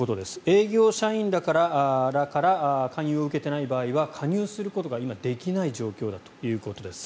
営業社員らから勧誘を受けていない場合は加入することが今できない状況だということです。